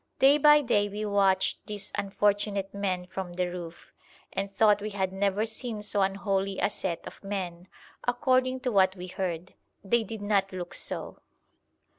Day by day we watched these unfortunate men from the roof, and thought we had never seen so unholy a set of men, according to what we heard; they did not look so.